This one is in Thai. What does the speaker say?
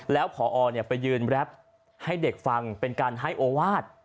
แล้วพอไปยืนแรปให้เด็กฟังเป็นการให้โอวาส